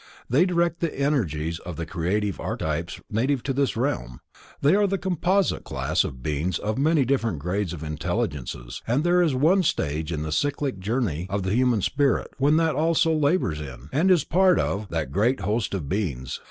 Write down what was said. They direct the energies of the creative Archetypes native to this realm. They are a composite class of beings of many different grades of intelligences, and there is one stage in the cyclic journey of the Human Spirit when that also labors in, and is part of, that great host of beings.